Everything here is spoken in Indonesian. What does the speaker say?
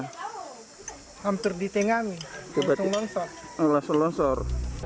hampir di tengah nih langsung lonsor